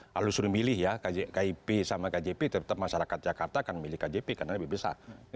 kalau disuruh milih ya kip sama kjp tetap masyarakat jakarta akan memilih kjp karena lebih besar